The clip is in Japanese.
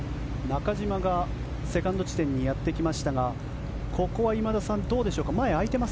中島がセカンド地点にやってきましたがここは今田さん、どうでしょうか。